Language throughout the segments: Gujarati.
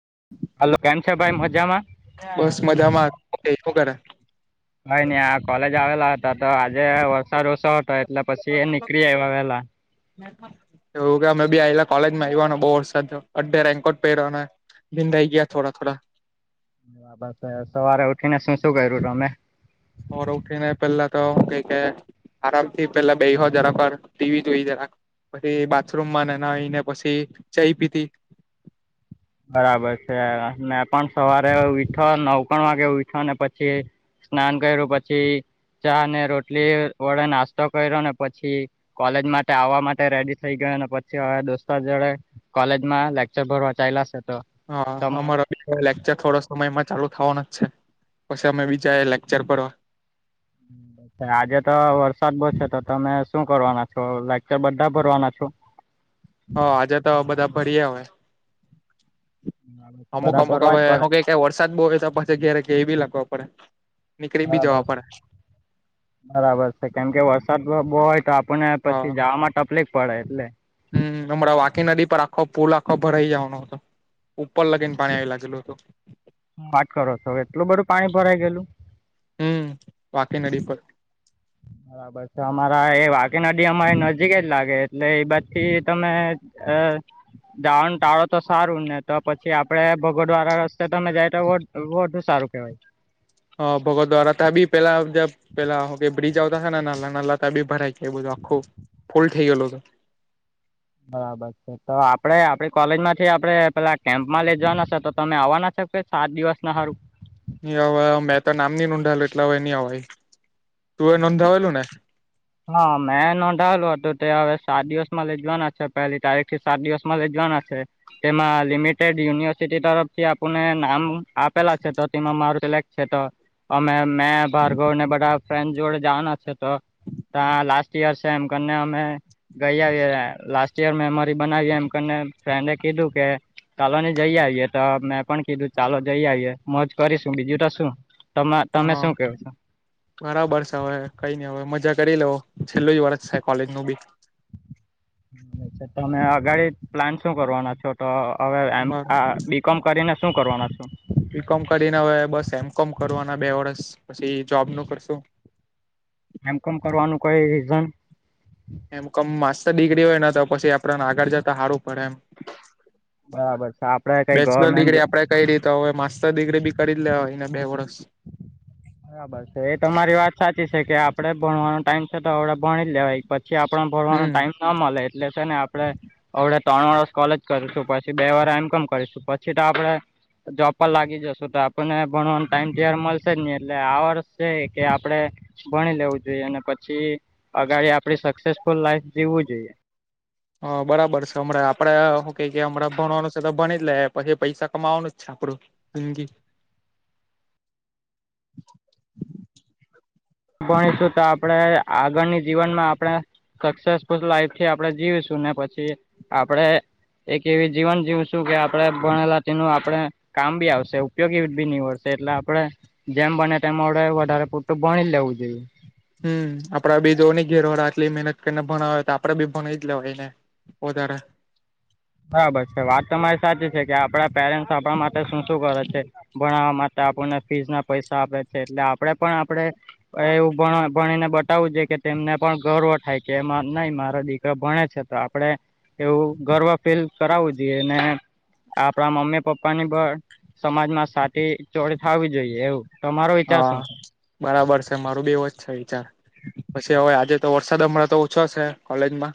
[inaudible] હલો. કેમ છો ભાઈ? મજામાં? બસ મજામાં. [unintelligible] હુ કરે? કાંઈ નહીં આ કોલેજ આવેલા હતા. તો આજે વરસાદ ઓસો હતો એટલે પછી એ નીકળી આઈ આવેલા. એવું કે. અમે બે આયેલાં કોલેજમાં. એવાનો બહુ વરસાદ થયો. અડધે રેઈનકોટ પહેર્યો. અને નિંદાઈ ગિયા થોડા-થોડા. હા બસ હવે. સવારે ઉઠીને શું-શું કર્યું તમે? હવારે ઉઠી ને પેલા તો હુ કેઈ કે આરામ થી પેલા બેઈહો જરાક વાર ટીવી જોઈ જરાક. પછી બાથરૂમમાં ને નાઈને પછી ચાઈ પીધી. બરાબર છે મેં પણ સવારે ઉયઠો નવખાણ વાગે ઉયઠો ને પછી... સ્નાન કર્યું પછી ચા ને રોટલી વડે નાસ્તો કર્યો ને પછી... કોલેજ માટે આવવા માટે રેડી થઈ ગયો અને પછી હવે દોસ્તાર જોડે... કોલેજમાં લેક્ચર ભરવા ચાયલા સે તો. હા તમે અમારો... લેકચર થોડો સમયમાં ચાલુ થવાના જ છે પછી અમે બી જાયે લેક્ચર ભરવા. [inaudible] આજે તો વરસાદ બો છે. તો તમે શું કરવાના છો? લેકચર બધા ભરવાના છો? હ આજે તો બધા ભરી અવે અમુક બરાબર અમુક હોય જ હવે પડે હું કઈક... કે વરસાદ બહુ હોય તો પછી ઘેરે કેઈ બી લાખવા પડે. નીકળી બી જવા બરાબર છે. પડે બરાબર છે કેમ કે વરસાદ બો હોય તો આ.... આપને હા પછી જાવામાં તફલીક પડે એટલે. હમ હમણાં વાકી નદી પર આખો પુલ આખો ભરાઈ જવાનો હતો. ઉપર લગીન પાણી આવી લાગેલુ હતું. હું વાત કરો છો? એટલું બધું પાણી ભરાઈ ગેલુ? હમ વાકી નદી પર. [unintelligible] અમારા એ વાકી નદી અમારે નજીક જ લાગે. એટલે એ બાજ થી તમે અ... જાવાનું ટાળો તો સારું ને તો પછી આપડે ભગોડવાળા રસ્તે તમે જાય તો વ.... બધું સારું કેવાય. હ ભગત વાળા તા ભી પહેલા જબ. પેલા હું કેય બ્રિજ આવતા હતા ને નાનલા નાનલા તા બી ભરાય ગેલુ બધું આખું ફુલ થઈ ગયેલુ હતું. બરાબર. તો આપડે આપડી કોલેજ માંથી આપડે પેલા કેમ્પમાં લઈ જવાના છે તો તમે આવવાના શોકે સાત દિવસ ના હારું. ની હવે મેં તો નામ ની નોંધાયેલું એટલે હવે નહી હય તું નોંધાવેલું ને. હા મેં નોંધાયેલું હતું તે હવે સાત દિવસમાં લે જવાના છે પેલી તારીખ.... થી સાત દિવસમાં લઈ જવાના છે તેમાં લિમિટેડ યુનિવર્સિટી તરફથી આપણને નામ. આપેલા છે તો તેમાં મારું સિલેક્ટ છે તો અમે મેં ભાર્ગવ ને બધા. ફ્રેન્ડ જોડે જવાના છે તો ત્યાં લાસ્ટ યર છે, એમ કરીને અમે. ગઈ આવીએ લાસ્ટ યર મેમરી બનાવીએ એમ કરી ફ્રેન્ડે કીધું કે.... ચાલો ને જઈ આવીએે તો મેં પણ કીધું ચાલો જઈ આવીએ મોજ કરીશું બીજું તો શું. તમે હ... તમે શું કેવો છો? બરાબર છે હવે કઈ નઈ હવે મજા કરી લેવો છેલ્લું જ વર્ષ છે કોલેજ નું બી. તમે અગાડી પ્લાન શું કરવાના છો, તો હવે એમ અમારું આ બી કોમ કરીને? શુ કરવાના છો? બી કોમ કરીને હવે બસ એમ કોમ કરવાના બે વર્ષ પછી જોબ નું કરશું... એમ કોમ કરવાનું કોઈ રીઝન? એમ કોમ માસ્ટર ડિગ્રી હોય ને તો પછી આપણને આગળ જતા હારૂ પડે એમ. બરાબર છે આપણે કંઈ બેચલર ગવર્મેન્ટ ડિગ્રી આપડે. કયરી તો હવે માસ્ટર ડિગ્રી બી કરી જ લેવાય ને બે વર્ષ. બરાબર છે. એ તમારી વાત સાચી છે કે આપડે ભણવાનો ટાઈમ છે તો આપડે ભણી જ લેવાય. પછી આપણે ભાણવાનો હમ ટાઈમ ના મળે એટલે છે ને આપડે. હવે ત્રણ વર્ષ કોલેજ કરીશું પછી બે વર્ષ એમ કોમ કરીશું પછી તો આપણેે.... જોબ પર લાગી જશું તો આપણને ભણવાનું ટાઈમ ઘેર મલશે જ ની એટલે આ વર્ષ છે કે આપડે ભણી લેવું જોઈએ અને પછી અગાડી આપડી સક્સેફુલ લાઈફ જીવવું જોઈએ. હ, બરાબર છે હમણાં આપડે હું કેઈ કે હમણાં ભણવાનું છે તો ભણી જ લે પછી પૈસા કમાવાનું છે આપડું જીંગી ભણીશું તો આપડે આગળની જીવનમાં આપણે સક્સેસફુલ લાઈફ છે આપડે જીવીશું ને પછી આપડે એક એવી જીવન જીવશું કે આપડે ભણેલા તેનું આપણે કામ બી આવશે ઉપયોગી બી નીવડશે એટલે આપડે જેમ બને તેમ અવડે વધારે પૂરતું ભણી લેવું જોઈએ. હમ્મ, આપડા બી જો ની ઘેરવાળા આટલી મહેનત કરીને ભણાવે તો આપડે બી ભણી જ લેવાયને વધારે. બરાબર છે, વાત તમારી સાચી છે કે આપડા પેરેન્ટ્સ આપણા માટે શું શું કરે છે. ભણાવા મા ટે આપણને ફીઝના પૈસા આપે છે એટલે આપડે પણ આપડે એવું ભણ ભણીને બતાવવું જોઈએ કે તેમને પણ ગર્વ થાય કે નય મારા દીકરા ભણે છે, તો આપણે એવું ગર્વ ફીલ કરાવું જોઈએ, ને આપણા મમ્મી પપ્પાની પણ સમાજમાં સાથી ચોડી થાવી જોઈએ એવું. તમારો વિચાર હા, શું છે બરાબર છે મારો બી એવો જ છે વિચાર. પછી, હવે આજે તો વરસાદ હમણાં તો ઓછો છે કોલેજમાં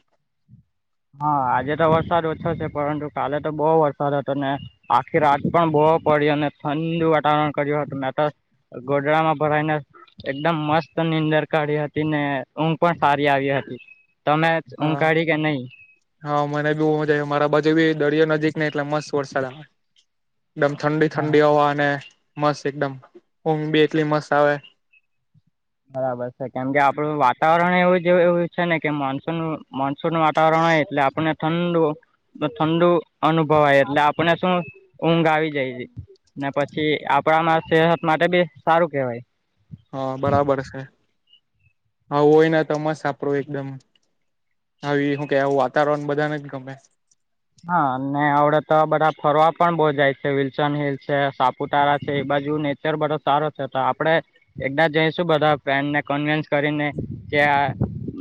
હા, આજે તો વરસાદ ઓછો છે પરંતુ કાલે તો બહુ વરસાદ હતો ને આખી રાત પણ બહુ પડીયો અને ઠંડુ વાતાવરણ કર્યું હતું. મે તો ગોદડામાં ભરાઈને એકદમ મસ્ત નીંદર કાઢી હતી, ને ઊંઘ પણ સારી આવી હતી. તમે ઊંઘ હા કાઢી કે નય? હા, મને બી બોવ મજા આયી. મારા બાજુ બી દરિયો નજીકને એટલે મસ્ત વરસાદ આવે. એકદમ ઠંડી ઠંડી હવા અને મસ્ત એકદમ ઊંઘ બી એટલી મસ્ત આવે, બરાબર છે, કેમ કે આપડું વાતાવરણ એવું જેવું એવું છે ને કે, મોનસૂન મોનસુન વાતાવરણ હોય એટલે આપણને ઠંડુ ઠંડુ અનુભવાય એટલે આપને શું ઊંઘ આવી જાય. ને પછી આપણામાં સેહત માટે બી સારું કેહેવાય. હા, બરાબર છે. આવું હોયને તો મસ્ત સાપડો એકદમ હાવી હુ કે વાતાવરણ બધાને જ ગમે. હા ને અવડે તો બધા ફરવા પણ બહુ જાય છે વિલસન હિલ છે, સાપુતારા છે. એ બાજુ ને ચર બધો સારો છે તો આપડે એકદાડ જઈશું બધા ફ્રેન્ડને કન્વિન્સ કરીને કે,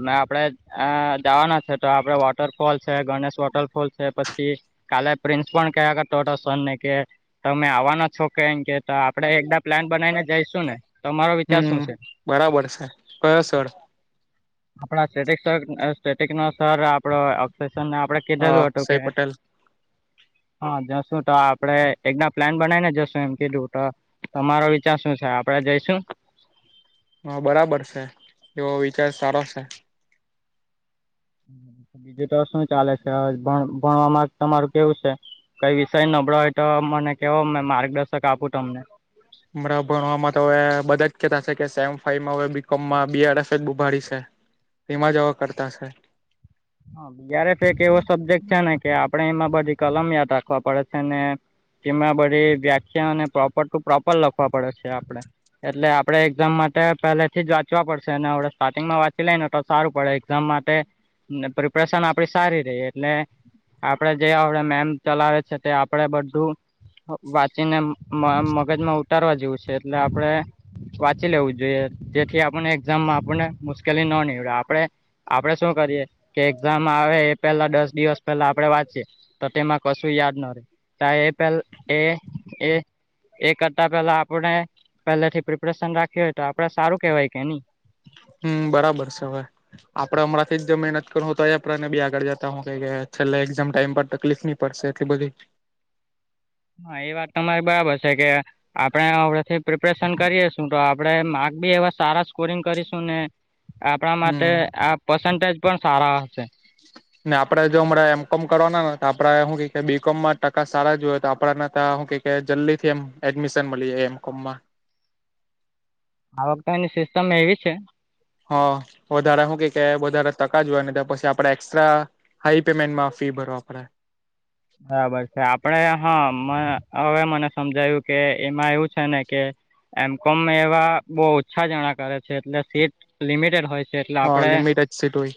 ને આપડે અ જાવાના છે તો આપડે વોટરફોલ છે ગણેશ વોટરફોલ છે પછી કાલે પ્રિન્સ પણ કયા કરતો હતો, સર ને કે તમે આવાના છો કેમ કે તો આપડે એકદાડ પ્લાન બનાવીને જઈશું ને? તમારો વિચાર શું હમ્મ છે? બરાબર છે, કયો સર? આપણા સ્ટટિક સર સ્ટટિકનો સર આપડો અક્ષય સરને આપડે કીધેલું અક્ષેપ [unintelligible] હા, જશું તો આપડે એકદાડ પ્લાન બનાવીને જશું એમ કીધું તો તમારો વિચાર શું છે? આપડે જઈશું? હા, બરાબર છે એવો વિચાર સારો છે. બીજું તો શું ચાલે છે. ભણવામાં તમારું કેવું છે? કઈ વિષય નબળો હોય તો મને કેવો માર્ગદર્શન આપું તમને? હમણાં ભણવામાં તો હવે બધા જ કેતા છે કે સેમ ફાઈમાં હવે બીકોમમાં બીઆરફ જ ઉભાડી છે. તેમાં જેબ કરતા શે? બીઆરફ એક એવો સબ્જેક્ટ છે ને કે આપડણે એમાં બધી કલમ યાદ રાખવા પડે છે. ને તેમાં બધી વ્યાખ્યાને પ્રોપર ટુ પ્રોપર લખવા પડે છે, આપડે એટલે આપડે એક્ઝામ માટે પેલેથી જ વાંચવા પડશે ને આપડણે સ્ટાર્ટિંગમાં વાંચી લઈ ને તો સારું પડે. એઝામ માટે પ્રિપરેશન આપડી સારી રહી એટલે, આપડે જે હવડે મેમ ચલાવે છે તે આપડે બધું, વાંચીને મગજમાં ઉતારવા જેવું છે, એટલે આપડે વાંચી લેવું જોઈએ. જેથી આપણને એક્ઝામમાં આપણને મુશ્કેલી ન નીવડે. આપડે આપડે શું કરીએ કે એક્ઝામ આવે એ પેલા દસ દિવસ પહેલા આપડે વાંચીયએ તો તેમાં કશું યાદ ન [unintelligible] એપલ એ એ એ કરતા પેલા આપણે પેલે થી પ્રિપરેશન રાખ્યું હોય તો આપડે સારું કેવાય કે નહી. હમ્મ બરાબર છે. આપડે હમણાંથી જ જો મહેનત કરું હો તો આપને બી આગળ જતા હુ છેલ્લા એક્ઝામ ટાઈમ પર તકલીફની પડશે એટલી બધી હા એ વાત તમારી બરાબર છે કે આપડેથી પ્રિપરેશન કરીએસું તો આપણે માર્ક બી એવા સારા સ્કોરિંગ કરીશું. ને આપણા માટે હમ આ પસન્ટેજ પણ સારા હશે. ને આપડે જો હમણાં એમ કોમ કરવાના ને તો આપડે હું અમ કે બી કોમ માં ટકા સારા જુયએ તો આપડને હું ક કે જલ્દી થી એમ એડમિશન મળી જાય એમ કોમમાં આ વખતે એની સિસ્ટમ એવી છે. હ વધારે શું કે વધારે ટકા જોયને પછી આપડે એક્સ્ટ્રા હાઈ પેમેન્ટ માં ફી ભરવા પડે. બરાબર છે આપડે હા હવે મને સમજાયું કે એમાં એવું છે ને કે એમ કોમ એવા બહુ ઓછા જણા કરે છે એટલે સીટ લિમિટેડ હોય. એટલે હા આપડે. લિમિટ જ સીટ હોય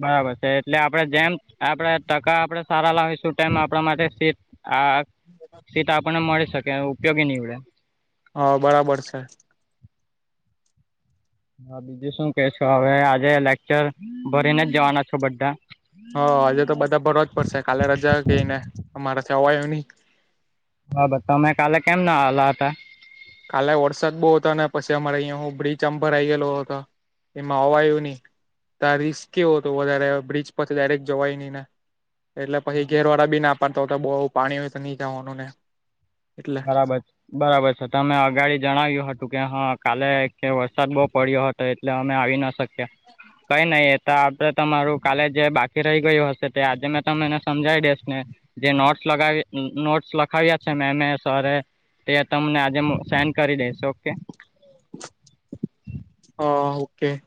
બરાબર છે એટલે આપડે જેમ આપડે ટકા આપડે સારા લાવીસુ તેમ આપણા માટે સીટ આ સીટ આપણને મળી શકે ઉપયોગી નીવડે હા બરાબર છે. હા બીજું શું કે છેો હવે આજે લેકચર ભરીને જ જવાના છો બધા. હ આજે તો બધા ભરવા જ પડશે કાલે રજા ગઈને અમારેથી અવાયું નહી. બબર તમે કાલે કેમ ના આવેલા હતા. કાલે વરસાદ બહુ હતો ને પછી અમારે અહીંયા હું બ્રિચ અંબર આઈ ગયેલો હતો. એમાં અવાયુની. તા રિસ્ક કેવો હતો વધારે બ્રિજ પરથી ડાયરેક્ટ જવાય નહી ને. એટલે પછી ઘેરવાળા બી ના પાડતો હોય કે બહ પાણી હોય તો નઈ જવાનું ને. એટલે બરાબર છે. બરાબર છે તમે અગાડી જણાવ્યું હતું કે હા કાલે વરસાદ બહુ પડ્યો હતો. એટલે અમે આવી ના શકે. કઈ નહી એ તો આપડે તમારું કાલે જે બાકી રહી ગયું હશે તે આજે મેં તમ એને સમજાવી દેસ ને. જે નોટ્સ લગાવી નોટ્સ લખાવી હસે એ મે મે. સર એ તે તમને આજે મુ સેન્ડ કરી દઈસ ઓકે હ ઓકે.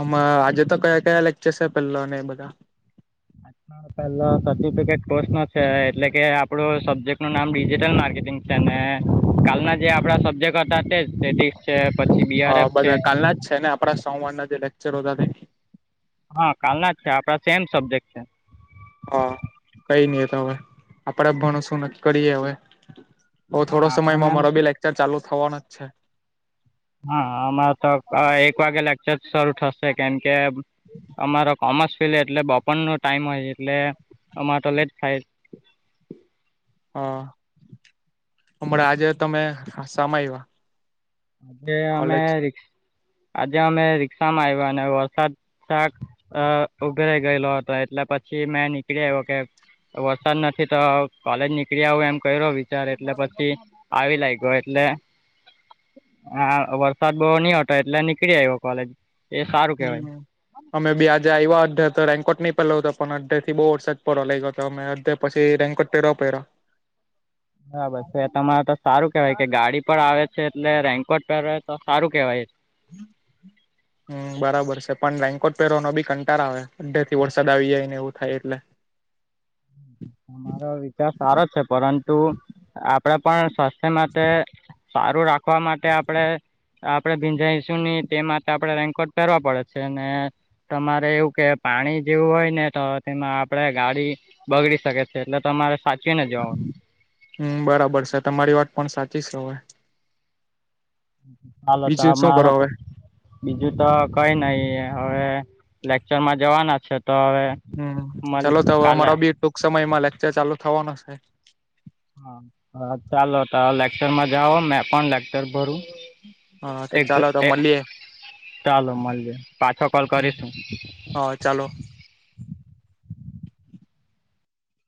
અમાં આજે તો કયા કયા લેક્ચર્સ સે પહેલોને એ બધા. અચછા. પેલો સર્ટિફિકેટ કોર્સ નો છે એટલે કે આપડું સબ્જેક્ટ નું નામ ડિજિટલ માર્કેટિંગ તેને કાલના જે આપણા સબ્જેક્ટ હતા તે જ સ્ટેટિક્સ છે પછી અ બીઆરએફ છે. બધા કાલના જ છે ને આપડા સોમવાર ના જે લેક્ચરો હતા તે હા કાલના જ છે આપડા સેમ સબ્જેક્ટ છે. હા કઈ નહી તો હવે આપડે ભણો શું ન કરીએ હવે. હવે હા થોડો આપણે સમયમાં મેમ મારો બી લેક્ચર ચાલુ થવાનો જ છે. હા અમારે તો એક વાગે લેક્ચર શરૂ થશે કેમ કે અમારો કોમર્સ ફિલ્ડ એટલે બપોરનો ટાઈમ હોય એટલે અમારે લેટ થાય હા હમણા આજે તમે સામાં આવ્યા કે અમે કોલેજ આજે અમે રિક્ષામાં આવ્યા અને વરસાદ શાક ઉઘરાઈ ગયેલો હતો એટલે પછી મેં નીકળી આવ્યો કે વરસાદ નથી તો કાલેજ નીકળીએ એમ કરીયોઓ વિચાર એટલે પછી આવી લાયગો એટલે હા વરસાદ બોવ ની હતો એટલે નીકળી આવ્યો કોલેજ. એ સારું કેવાય હમ. અમે બે આજે આવ્યા હોત તો રેન્કોટ ની પેરલો હતો પણ અડધેથી બોવ વરસાદ પડવા લાગ્યો ગયો હતો અમે અ પછી રેનકોટ પેરવા પડ્યો. બરાબર છે તમારે તો સારું કેવાય કે ગાડી પર આવે છે એટલે રેનકોટ પેરે તો સારું કેવાય. [inaudible] હમ બરાબર છે પણ રેનકોટ પેરવાનો બી કંટાળો આવે અડધે થી વરસાદ આવી જાય ને એવું થાય એટલે. તમારો વિચાર સારો છે પરંતુ આપડે પણ સ્વાસ્થ્ય માટે સારું રાખવા માટે આપડે આપડે ભીંજાઈશું નહી તે માટે આપડણે રેન્કોટ પહેરવા પડે છે ને તમારે એવું કે પાણી જેવું હોય ને તો તેમાં આપડે ગાડી બગડી શકે છે એટલે તમારે સાચવી ને જવાનું. હમ બરાબર છે તમારી વાત પણ સાચી છે હવે. હાલો તો બીજું આ શું કરો મારા હવે બીજું તો કઈ નઈ હવે લેકચરમાં જવાના છે તો હવે હમ મલ ચાલો તો હવે કાલે અમારો બી ટૂંક સમય માં લેક્ચર ચાલુ થવાનો છે. હા હા ચાલો તા લેક્ચરમાં જાઓ મેં પણ લેક્ચર ભરું. હા તો એ ચાલો તો એ મળીએ ચાલો મળીએ પાછો કોલ કરીશું. હ ચાલો.